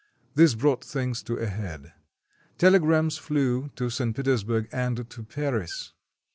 This brought things to a head. Telegrams flew to St. Petersburg and to Paris.